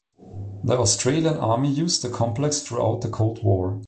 The Australian Army used the complex throughout the Cold War.